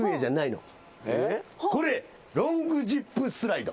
これロングジップスライド。